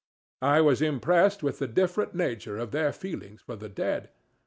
I was impressed with the different nature of their feelings for the dead.